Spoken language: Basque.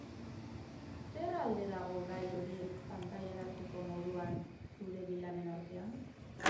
Zer alde dago gai horiek pantailaratzeko moduan zure bi lanen artean?